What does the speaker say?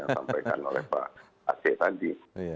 yang disampaikan oleh pak aceh tadi